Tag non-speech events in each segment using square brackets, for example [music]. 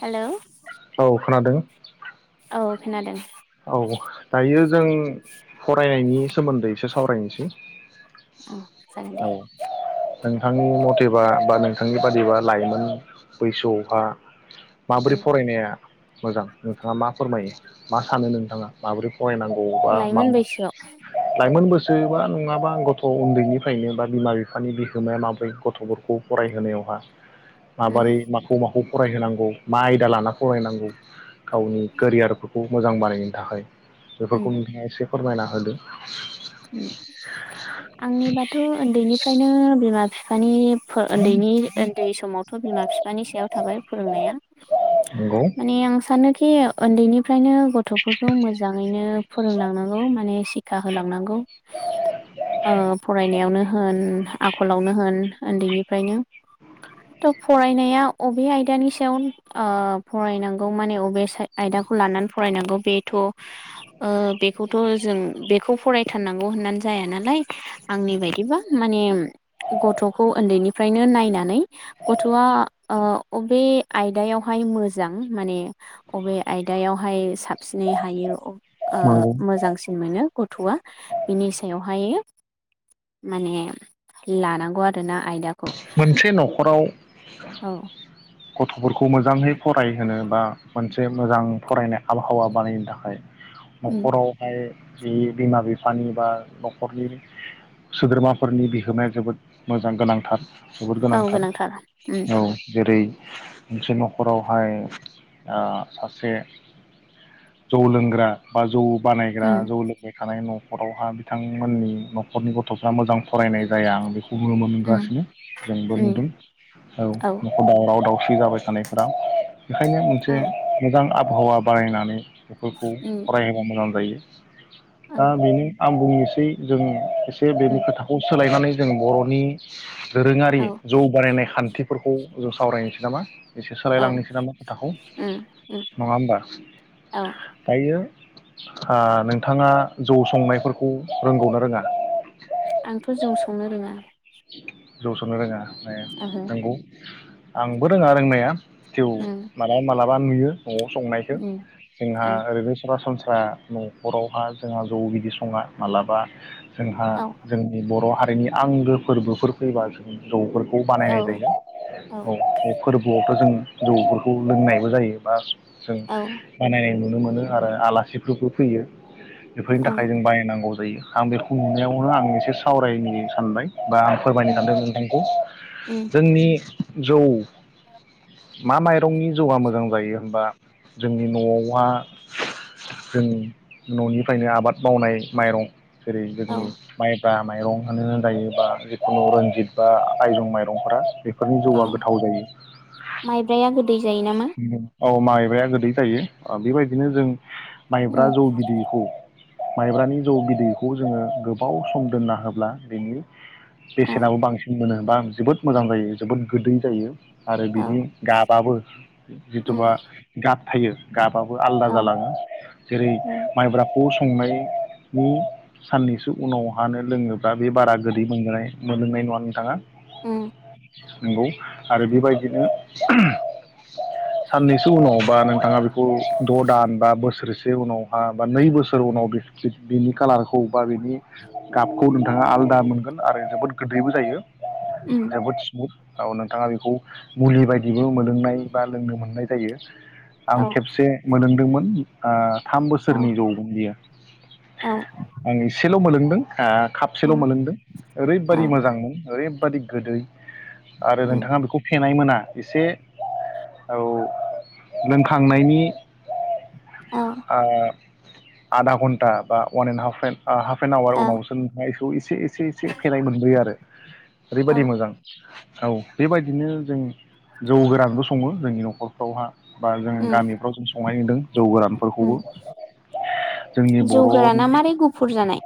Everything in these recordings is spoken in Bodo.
हेलौ औ खोनादों। औ खोनादों। औ दायो जों फरायनायनि सोमोन्दै एसे सावरायनोसै। औ जागोन दे औ। नोंथांनि मथेबा बा नोंथांनि बादिबा लाइमोन बैसोयावहा माबोरै उम फरायनाया मोजां नोंथाङा मा फोरमायो मा सानो नोंथाङा माबोरै फरायनांगौ बा मा लाइमोन मा बैसोआव लाइमोन बैसो बा नङाबा गथ' उन्दैनिफ्रायनो बा बिमा बिफानि बिहोमाया माब्रै गथ'फोरखौ फरायहोनायावहा माबारै माखौ माखौ फरायहोनांगौ मा आयदा लाना फरायनांगौ गावनि केरियारफोरखौ मोजां बानायनो थाखाय उम बेफोरखौ नोंथाङा एसे फोरमायना होदो। आंनिबाथ' उन्दैनि फ्रायनो बिमा बिफानि उन्दैनि उ न्दै समावथ' बिमा बिफानि सायाव थाबाय फोरोंनाया। नंगौ माने आं सानो खि उन्दैनि फ्रायनो गथ'फोरखौ मोजाङैनो फोरोंलांनांगौ माने सिखा होलांनां गौ ओ फरायनायावनो होन आखलावनो होन उन्दैनिफ्रायनो दा फरायनाय आ अबे आयदानि सायाव ओ फरायनांगौ माने अबे आयदाखौ लानानै फरायनांगौ ओ बेथ बेखौथ जों बेखौ फराय थारनांगौ होननानै जाया नालाय आंनि बायदिबा माने गथ'खौ उन्दैनिफ्रायनो नायनानै गथ'आ अबे आयदायावहाय मोजां माने अबे आयदायावहाय साबसिनै हायो नंगौ मोजांसिन मोनो। गथ'आ। बिनि सायावहाय माने लानांगौ आरोना आयदाखौ। मोनसे नख'राव औ। गथ'फोरखौ मोजाङै फरायहोनो बा मोनसे मोजां फरायनाय आबहावा बानायनो थाखाय उम न'खरावहाय जि बिमा बिफानि बा न'खरनि सोद्रोमाफोरनि बिहोमाया जोबोद मोजां गोनांथार जोबोद औ गोनांथार उम औ जेरै मोनसे न'खरावहाय सासे जौ लोंग्रा बा जौ बानायग्रा उम जौ लोंबायखानाय न न'खरावहा बिथांमोननि नखरनि गथ'फोरा मोजां फरायनाय जाया गुमुर उम मोनगासिनो जोंबो उम नुदों औ न'खर दावराव दावसि जाबाय थानायफोरा बेखायनो मोनसे औ मोजां आबहावा बानायनानै बेफोरखौ उम फरायहोबा मोजां जायो। औ [inaudible] दा बेनो आं बुंनि। सै जों बेनि उम खोथाखौ सोलायनानै जों बर'नि दोरोङारि औ जौ बानायनाय खान्थिफोरखौ ज सावरायनोसै नामा। एसे औ सोलायलांनोसै ना खोथाखौ उम उम नङा होमबा औ दायो। ओ नोंथाङा जौ संनायफोरखौ रोंगौनो रोङा। आंथ जौ संनो रोङा। [unintelligible] जौ संनो रोङा। ए ओहो नोंगौ। आंबो रोङा रोंनाया। थिव उम मालाब मालाबा बा नुयो न'आव संनायखौ उम जोंहा ओं ओरैनो सरासनस्रा ब्रा न'खरावहा जोंहा जौ बिदि सङा माब्लाबा जोंहा औ जोंनि बर' हारि नि आंगो फोरबोफोर फैबा जों जौफोरख खौ औ बानायनाय जायो औ बे फोरबोआव जों जौफोरखौ लोंनायबो जायो बा जों औ औ बानायनाय नु नुनो मोनो आरो आलासिफोरबो फैयो बेफोरनि थाखाय जों बायनांगौ। जायो आं बेखौ नुनायावनो आं एसे सावरायनो सानबाय बा आं फोरमायनो उम सानदों नोंथांखौ उम जोंनि जौ मा माइ दंनि जौआ मोजां जायो होनबा जोंनि न'आवहा जोंनि न'निफ्रायनो आबाद मावनाय माइरं जेरै औ जोंनि माइ बा माइरं होनानो जायो। बा जिखुनु रन्जित बा आइरं माइरंफोरा बेफोरनि औ जौआ गोथाव जायो माइब्राया गोदै जायो नामा? औ माइब्राया गोदै जायो बेबायदिनो जों माइब्रा उम जौ बिदैखौ माइब्रानि जौ बिदैखौ जोङो गोबाव सम दोनना होब्ला बेनि औ बेसेनाबो बांसिन मोनो। बा जोबोद मोजां जायो जोबोद गोदै जायो। आरो बिदि औ गाबाबो उम जिथुबा गाब थायो गाब आलदा औ जालाङो जेरै उम माइब्रा पस्ट संनायनि साननिसो उनावहानो लोङोब्ला बे बारा गोदै मोनजानाय मोनलोंनाय नङा नोंथाङा। ओम नंगौ आरो बेबायदिनो साननैसो उनाव बा नोंथाङा बेखौ द दान बा बोसोरसे उनावहा बा नै बोसोर उनाव बिनि कालारखौ बा बिनि गाबखौ नोंथाङा आलादा मोन आरो जोबोद गोदैबो जायो। [unintelligible] उम औ नोंथाङा बेखौ मुलि बायदिबो मोनोलोंनाय बा लोंनो मोननाय जायो। आं औ खेबसे मोदों ओम थाम औ बोसोरनि जौमोन बियो औ आं एसेल मोनलोंदों खपसेल उम मोनलोंदों औ ओरैबादि मोजांमोन ओरैबादि गोदै आरो उम नोंथाङा बेखौ मोना एसे औ लोंखांनायनि औ आ आधा घन्टा बा one and half and a half N आवार औ उनावसो नायफ [unintelligible] एसे एसे फेनाय मोनबोयो आरो औ ओरैबायदि मोजां औ बेबायदिनो जों जौ गोरानबो सङो जोंनि नखरफ्रावहा। बा जों उम गामिफ्राव जों संनायनुदों जौ गोरानफोरखौबो उम जोंनि जौ गोराना बर'नि मारै गुफुर जानाय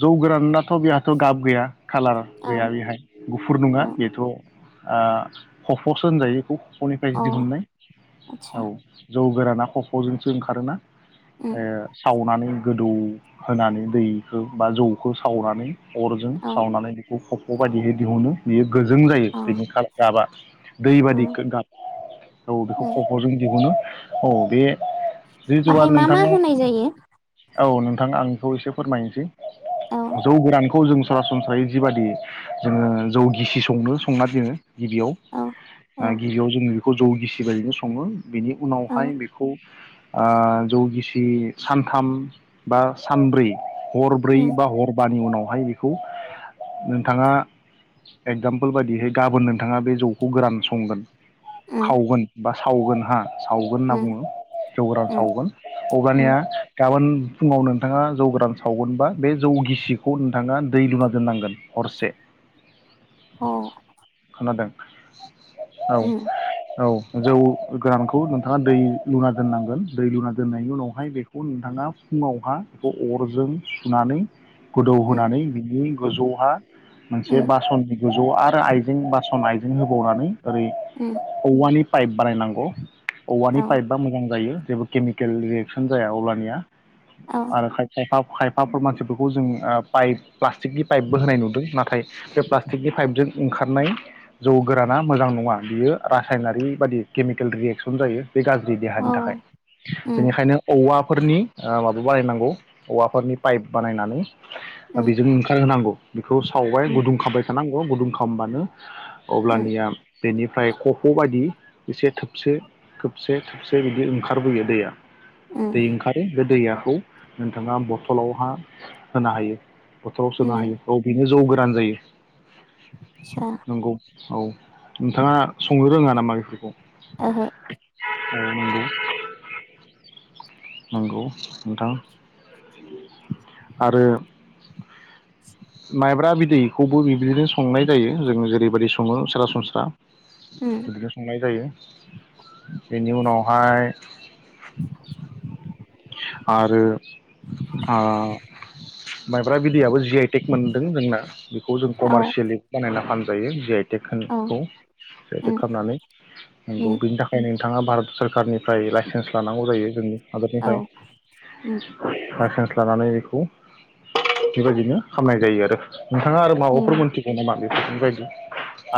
जौ गोराननाथ' बेहाथ' गाब गैया खाालार औ गैया बेहाय गुफुर नङा औ बेथ' आ खफ'सो होनजायो इखौ खफ'निफ्राय अ दिहुननाय आतसा औ जौ गोराना खफ'जोंसो ओंखारोना उम ओ सावनानै गोदौ होनानै दैखो जौखौ सावनानै अरजों औ सावनानै बेखौ खफ' बायदिहै दिहुनो बियो गोजों जायो अ बिनि गाबा दैबादि उम गाब औ बेखौ उम खफ'जों दिहुनो। औ बे जि जौआ बाहाय मा मा नोंथाङा होनाय जायो? औ नोंथां आं बेखौ एसे फोरमायनोसै- औ जौ गोरानखौ जों सरासनस्रायै जिबायादि जोङो जौ गिसि संनो संना दिनो गिबियाव औ आ औ गिबियाव जोङो बेखौ जौ गिसि बायदिनो सङो बेनि औ उनावहाय बेखौ आ जौ गिसि सानथाम बा सानब्रै हरब्रै उम बा हरबानि उनाव [unintelligible] नोंथाङा एगजामपोल बायदिहै गाबोन नोंथांङा बे जौखौ गोरान संगोन। उम खावगोन बा सावगोन हा सावगोन होनना उम बुंङो जौ गोरान उम सावगोन अब्लानिया उम गाबोन फुंङाव नोंथांङा जौ गोरान सावगोनबा बे जौ गिसिखौ नोंथांङा दै लुना दोननांगोन हरसे। अ खोनादों औ औ जौ गोरानखौ नोंथांङा दै लुना दोननांगोन दै लुना दोननायनि उनावहाय बेखौ नोंथांङा फुंङावहा बेखौ अर जों सुनानै गोदौ उम होनानै बिनि गोजौहा मोनसे उम बासन गोजौ आरो आइजें बासन आइजें होबावनानै ओरै उम औवानि पाइप बानायनांगौ औवानि औ पाइपा मोजां जायो जेबो केमिकेल रियेकसन जाया अल्बानिया। औ आरो खाय फा खायफाफोर मानसिफोरखौ जों ओ पाइप प्लास्टिकनि पाइपबो होनाय नुदों नाथाय बे प्लास्टिकनि पाइपजों ओंखारनाय जौ गोराना मोजां नङा बियो रासायनारि बादि केमिकेल रियेकसन जायो। बे गाज्रि देहानि औ थाखाय उम बेनिखायनो औवा फोरनि ओ माबा बानायनांगौ औवाफोरनि पाइप बानायनानै उम बेजों ओंखारहोनांगौ बेखौ सावबाय उम गुदुं खौ गुदुं खामबानो उम अब्लानिया बेनिफ्राय खफ' बायदि एसे थोबसे थोबसे थोबसे बिदि ओंखारबोयो दैया। उम दै ओंखारो बे दैया [unintelligible] नोंथांङा बथलावहा होनो हायो। बथलाव सोनो उम हायो औ बेनो जौ गो रान जायो सा नंगौ औ नोंथांङा संनो रोंङा नामा बेफोरखौ? ओहो औ नंगौ नंगौ नोंथां। आरो माइब्रा बिद बेखौबो बिबायदिनो संनाय जायो जोंङो जेरैबायदि सङो सरासनस्रा। उम बिदिनो संनाय जायो। बेनि उनावहाय [inaudible] आरो आ माइब्रा बिदैयाबो जि आइ टेक मोनदों जोंना खौ जों औ कमारसियेलि बानायना फान जायो जि आइटेक होन औ खौ जि आइटेक उम खालामनानै नंगौ उम बेनि थाखायनो नोंथाङा भारत सरखारनिफ्राय लाइसेन्स लानांगौ जायो जोंनि औ हादरनिफ्राय उम लाइसेन्स लानानै बेखौ बेबायदिनो खामनाय जायो आरो नोंथाङा आरो माबाफोर उम मोनथिगौ नामा बे [unintelligible]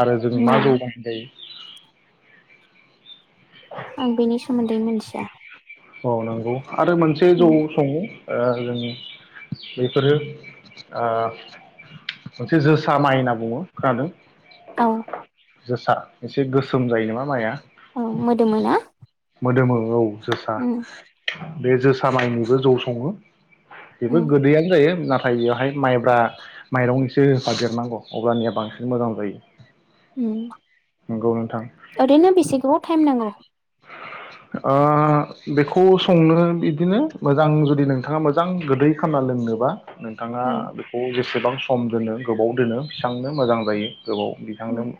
आरो जों मा ना जौगानाय जायो? आं बेनि सोमोन्दै मिथिया औ नंगौ आरो मोनसे जौ उम संङो ओ जों बेफोरो ओ मोनसे जोसा माइ होनना बुङो खोनादों औ जोसा एसे गोसोम जायो नामा माइया औ मोदोमो ना मोदोमो औ जोसा उम बे जोसा माइनिबो जौ सङो। बेबो उम गोदैयनो जायो नाथाय नाथाय बेयावहाय माइब्रा माइरंनिसो होफादेरनांगौ अब्लानिया बांसिन मोजां जायो। नंगौ नोंथां ओरैनो बेसे गोबाव टाइम नांगौ? बेखौ संनो बिदिनो मोजां जुदि नोंथाङा मोजां गोदै खानना लोंनोबा नोंथाङा उम बेखौ एसेबां सम दोनो गोबाव दोनो बेसेबांनो मोजां जायो। गोबाव बिथांनो उम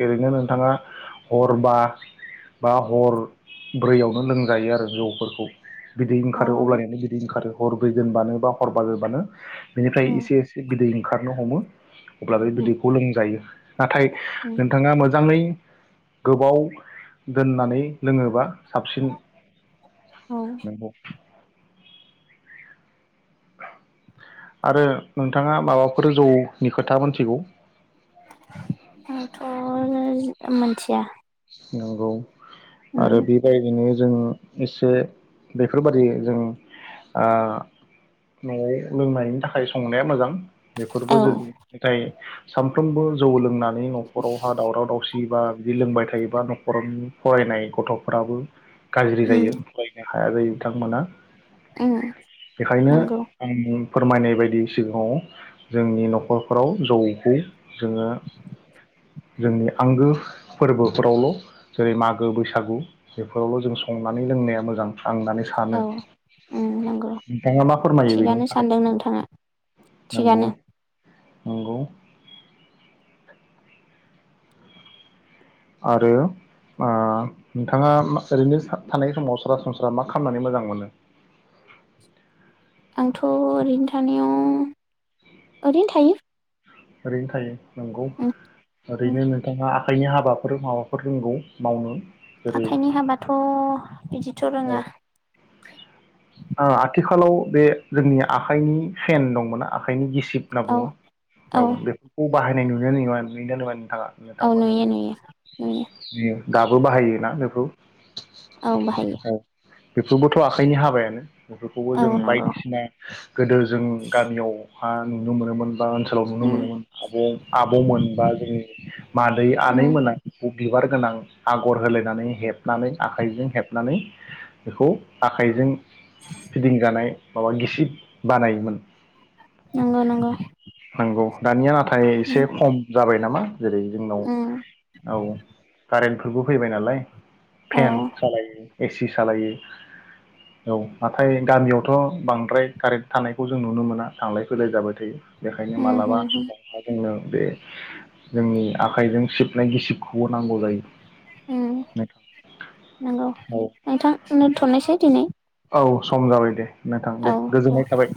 बेबादिनो नोंथाङा हर बा-बा हर ब्रैयावनो लोंजायो आरो जौफोरखौ। बिदै अ ओंखारो अब्लानिनो बिदै ओंखारो हरब्रै दोनबानो बा हर बाजबा दोनबानो बेनिफ्राय उम एसे एसे बिदै ओंखारनो हमो। उ [inaudible] अब्ला बे उम बिदैखौ लोंजायो नाथाय उम थांङा मोजांङै गोबाव दोननानै लोंङोबा साबसिन औ नंगौ। आरो नोंथाङा माबाफोर जौ नि खोथा मोनथिगौ? आं थ नैज मोनथिया नंगौ उम आरो बेबायदिनो जों एसे बेफोरबादि जों आ नआव लोंनायनि थाखाय संनाया मोजां बेफोरबो औ जों नाथाइ सामफ्रोमबो जौ लोंना नि नखरावहा दावराव दावसि बा बिदि लोंबाय थाय बा नखरावनि फरायनाय गथ'फोराबो गारज्रि उम जायो फरायनो हाया जायो बिथांमोना उम बेखायनो नंगौ आंङो फोरमायनाय बायदि सिगांङाव जोंनि नखरफोराव जौखौ जोंङो जोंनि आंगो फोरबो फोरावल जेरै मागो बैसागु बेफोरावल जों संनानै लोंनाया मोजां। आं होनानै सानो औ उम नंगौ नोंथाङा मा फोरमायो बेनि थिगानो थाखाय सानदों नोंथाङा नंगौ थिगानो नंगौ आरो ओ नोंथाङा मा ओरैनो सा थानाय समाव सरासनस्रा मा खालामनानै मोजां मोनो? आंथ ओरैनो थानायाव ओरैनो थायो। ओरैनो थायो नंगौ उम उम ओरैनो नोंथाङा खायनि हाबाफोर माबाफोर रोंगौ मावनो जेरै आखाइनि हाबाथ बिदिथ रोंङा। ओ आथिखालाव बे जोंनि आखाइनि फेन दंमोन आखाइनि गिस सिप होनना औ बुङो औ बेफोरखौ बाहायनाय नुयोया नुवा नुयो ना नुवा थांङा औ नोंथांमोननि नुयो नुयो नुयो ओनसोलाव नुयो दाबो बाहायोना बेखौ औ बाहायो औ बेफोरबोथ आखाइनि हाबायानो बेफोरखौबो औ जों नंगौ बायदिसिना गोदो जों गामियाव हा नुनो मोनोमोन बा ओनसोलाव नुनो उम मोनोमोन आब आबमोन बा जोंनि मादै उम आनै मोना बेखौ बिबार गोनां आगर होलायनानै हेब नानै आखाइजों हेब बेखौ आखाइजों फिदिंजानाय माबा गिसिब बानायोमोन नंगौ नंगौ नंगौ दानिया नाथाय एसे उम खम जाबाय नामा जेरै जोंनाव उम औ कारेन्ट खुरबो फैबाय नालाय। औ फेन सालायो। एसि सालायो औ नाथाय गामियावथ बांद्राय कारेन्ट थानायखौ जों नुनो मोना थांलाय फैलाय जाबाय थायो। बेखायनो उम मालाबा उम उम समावहाय जोंनो बे जोंनि आखाइजों सिब गिसिबखौ नांगौ जायो उम नोंथां नंगौ। औ नोंथां दोनथनोसै दिनै। औ सम जाबाय दे नोंथां दे गोजोननाय थाबाय।